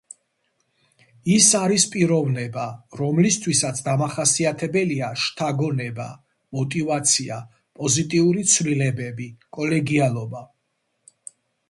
ის არის პიროვნება, რომლისთვისაც დამახასიათებელია შთაგონება, მოტივაცია, პოზიტიური ცვლილებები, კოლეგიალობა...